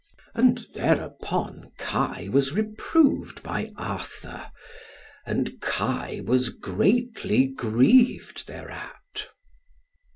And thereupon Kai was reproved by Arthur; and Kai was greatly grieved thereat.